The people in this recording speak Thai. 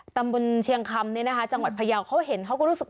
ตำบลเชียงคำเนี่ยนะคะจังหวัดพยาวเขาเห็นเขาก็รู้สึก